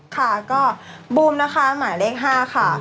ค่ะก็บูมนะคะหมายเลข๕ค่ะ